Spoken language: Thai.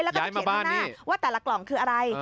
แล้วก็จะเขียนข้างหน้าว่าแต่ละกล่องคืออะไร